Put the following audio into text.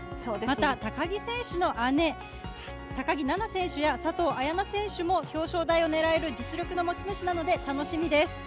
また、高木選手の姉、高木菜那選手や佐藤綾乃選手も、表彰台を狙える実力の持ち主なので、楽しみです。